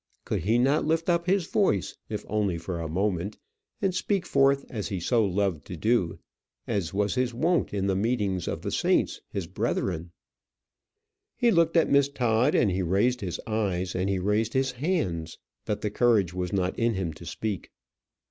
Could he not lift up his voice, if only for a moment, and speak forth as he so loved to do, as was his wont in the meetings of the saints, his brethren? He looked at Miss Todd, and he raised his eyes, and he raised his hands, but the courage was not in him to speak.